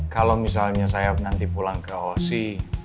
kalau misalnya saya nanti pulang ke osi